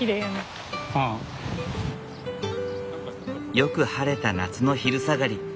よく晴れた夏の昼下がり。